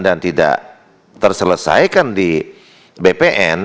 dan tidak terselesaikan di bpn